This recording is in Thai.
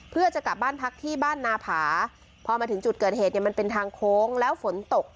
เพื่อจะกลับบ้านพักที่บ้านนาผาพอมาถึงจุดเกิดเหตุเนี่ยมันเป็นทางโค้งแล้วฝนตก